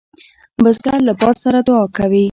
بزګر له باد سره دعا کوي